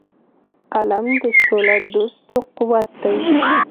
قلم د سولهدوستو قوت دی